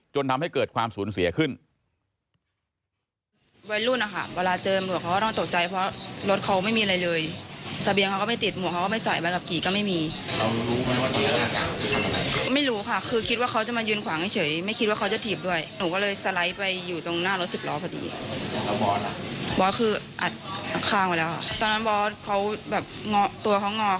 จนทำให้เกิดความสูญเสียขึ้น